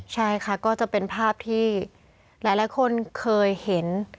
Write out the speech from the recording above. ใช่ค่ะก็จะเป็นภาพที่หลายคนเคยเห็น